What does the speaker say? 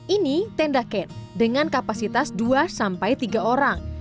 ini tenda cat dengan kapasitas dua tiga orang